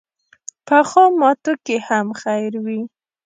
پخو ماتو کې هم خیر وي